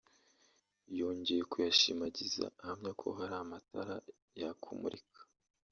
yongeye kuyashimagiza ahamya ko hari amatara yakumurika